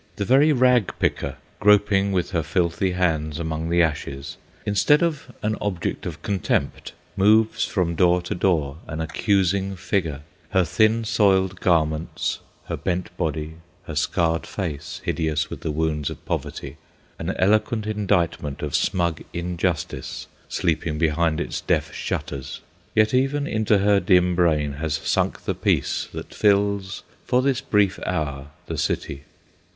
The very rag picker, groping with her filthy hands among the ashes, instead of an object of contempt, moves from door to door an accusing Figure, her thin soiled garments, her bent body, her scarred face, hideous with the wounds of poverty, an eloquent indictment of smug Injustice, sleeping behind its deaf shutters. Yet even into her dim brain has sunk the peace that fills for this brief hour the city.